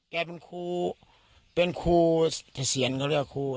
แกเป็นครูเป็นครูเสียงเขาเรียกครูอะไรนะ